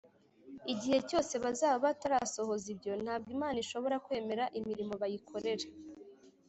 igihe cyose bazaba batarasohoza ibyo, ntabwo imana ishobora kwemera imirimo bayikorera